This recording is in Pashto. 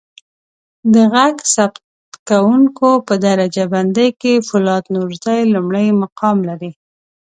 د ږغ ثبتکوونکو په درجه بندی کې فولاد نورزی لمړی مقام لري.